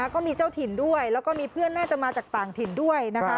ก็มีเจ้าถิ่นด้วยแล้วก็มีเพื่อนน่าจะมาจากต่างถิ่นด้วยนะคะ